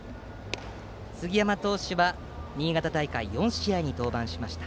杉山投手は新潟大会４試合に登板しました。